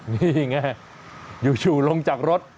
นี่ไงอยู่ลงจากรถ